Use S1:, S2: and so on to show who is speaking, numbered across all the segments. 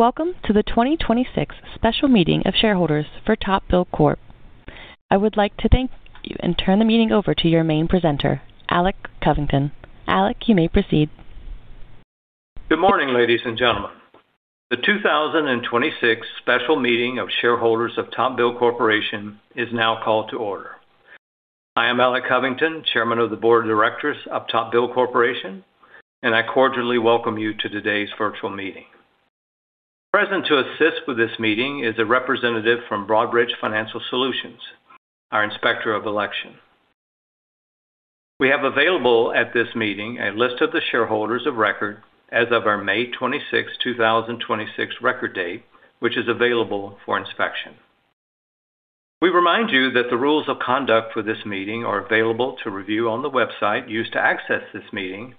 S1: Welcome to the 2026 special meeting of shareholders for TopBuild Corp. I would like to thank you and turn the meeting over to your main presenter, Alec Covington. Alec, you may proceed.
S2: Good morning, ladies and gentlemen. The 2026 special meeting of shareholders of TopBuild Corporation is now called to order. I am Alec Covington, Chairman of the Board of Directors of TopBuild Corporation, I cordially welcome you to today's virtual meeting. Present to assist with this meeting is a representative from Broadridge Financial Solutions, our Inspector of Election. We have available at this meeting a list of the shareholders of record as of our May 26, 2026, record date, which is available for inspection. We remind you that the rules of conduct for this meeting are available to review on the website used to access this meeting,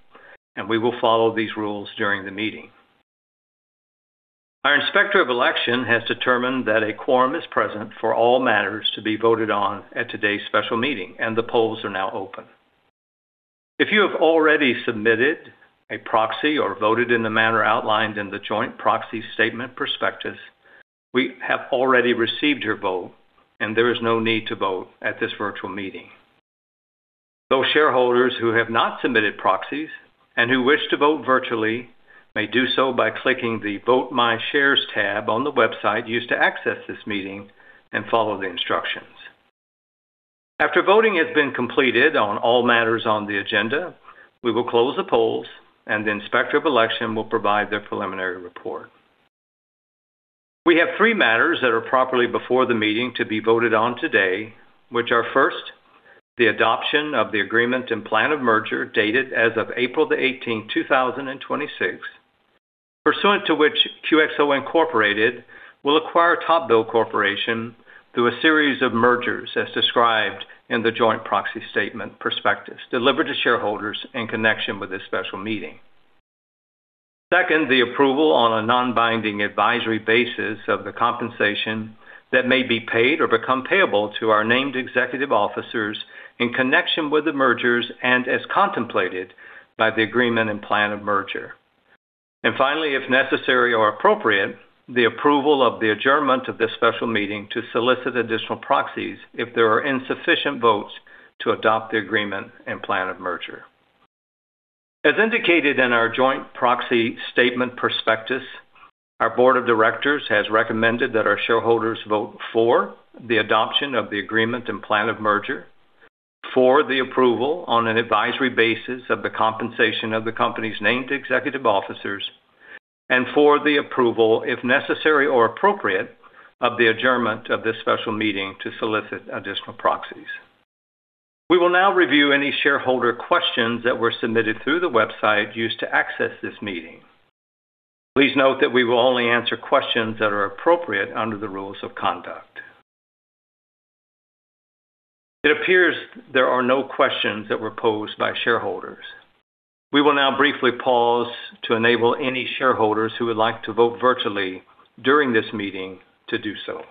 S2: We will follow these rules during the meeting. Our Inspector of Election has determined that a quorum is present for all matters to be voted on at today's special meeting, The polls are now open. If you have already submitted a proxy or voted in the manner outlined in the joint proxy statement/prospectus, we have already received your vote, There is no need to vote at this virtual meeting. Those shareholders who have not submitted proxies and who wish to vote virtually may do so by clicking the Vote My Shares tab on the website used to access this meeting and follow the instructions. After voting has been completed on all matters on the agenda, we will close the polls, The inspector of election will provide their preliminary report. We have three matters that are properly before the meeting to be voted on today, which are, first, the adoption of the Agreement and Plan of Merger dated as of April the 18th, 2026, pursuant to which QXO, Inc. will acquire TopBuild Corporation through a series of mergers as described in the joint proxy statement/prospectus delivered to shareholders in connection with this special meeting. Second, the approval on a non-binding advisory basis of the compensation that may be paid or become payable to our named executive officers in connection with the mergers and as contemplated by the Agreement and Plan of Merger. Finally, if necessary or appropriate, the approval of the adjournment of this special meeting to solicit additional proxies if there are insufficient votes to adopt the Agreement and Plan of Merger. As indicated in our joint proxy statement prospectus, our board of directors has recommended that our shareholders vote for the adoption of the Agreement and Plan of Merger, for the approval on an advisory basis of the compensation of the company's named executive officers, and for the approval, if necessary or appropriate, of the adjournment of this special meeting to solicit additional proxies. We will now review any shareholder questions that were submitted through the website used to access this meeting. Please note that we will only answer questions that are appropriate under the rules of conduct. It appears there are no questions that were posed by shareholders. We will now briefly pause to enable any shareholders who would like to vote virtually during this meeting to do so.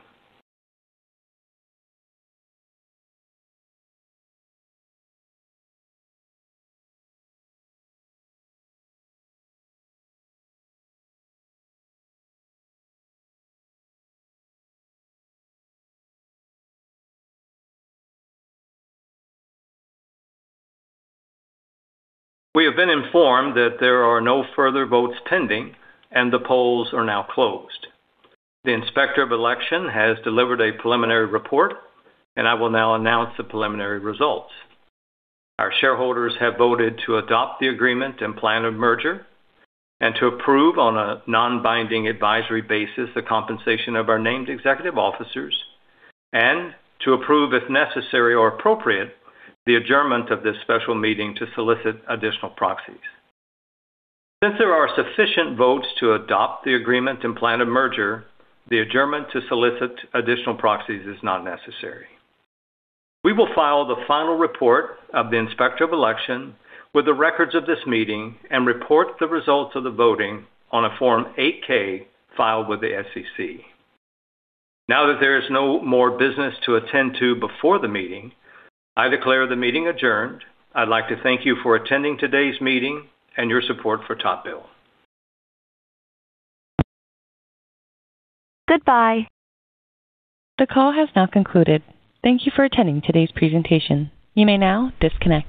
S2: We have been informed that there are no further votes pending, and the polls are now closed. The inspector of election has delivered a preliminary report. I will now announce the preliminary results. Our shareholders have voted to adopt the Agreement and Plan of Merger and to approve on a non-binding advisory basis the compensation of our named executive officers and to approve, if necessary or appropriate, the adjournment of this special meeting to solicit additional proxies. Since there are sufficient votes to adopt the Agreement and Plan of Merger, the adjournment to solicit additional proxies is not necessary. We will file the final report of the Inspector of Election with the records of this meeting and report the results of the voting on a Form 8-K filed with the SEC. Now that there is no more business to attend to before the meeting, I declare the meeting adjourned. I'd like to thank you for attending today's meeting and your support for TopBuild.
S1: Goodbye. The call has now concluded. Thank you for attending today's presentation. You may now disconnect.